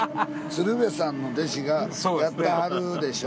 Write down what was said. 「鶴瓶さんの弟子がやってはるでしょ」。